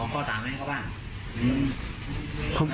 เขาเป็นใคร